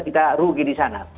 kita rugi di sana